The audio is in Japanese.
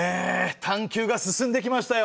探究が進んできましたよ。